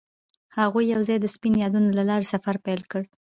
هغوی یوځای د سپین یادونه له لارې سفر پیل کړ.